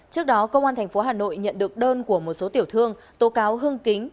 trước đó công an tp hà nội nhận được đơn của một số tiểu thương tố cáo hưng kính